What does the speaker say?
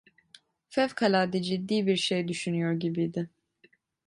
Fevkalade ciddi bir şey düşünüyor gibiydi.